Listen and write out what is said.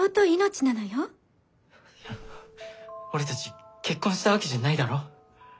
いや俺たち結婚したわけじゃないだろ。